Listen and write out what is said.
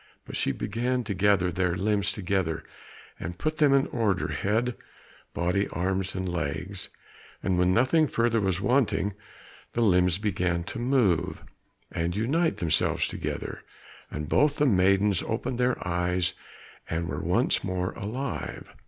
But she began to gather their limbs together and put them in order, head, body, arms and legs. And when nothing further was wanting the limbs began to move and unite themselves together, and both the maidens opened their eyes and were once more alive.